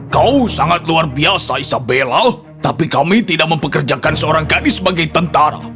kau luar biasa isabella tapi kami tidak bisa mengerjakan seorang gadis sebagai tentara